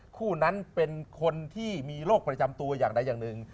คู่นั้นเป็นคนที่มีโรคประจำตัวอย่างใดอย่างหนึ่ง